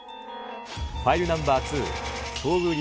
ファイルナンバー２、遭遇率